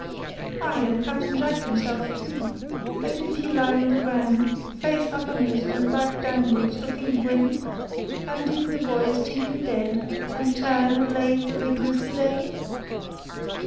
Aye, and Captain Jack himself too; and didn't he lie on the ground, face uppermost and back downwards, looking grim? And didn't the boys t'ink him dead, and turn and l'ave the rig'lars the day?"